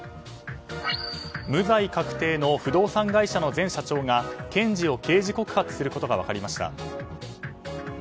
無罪確定の不動産会社の前社長が検事を刑事告発することが分かりました。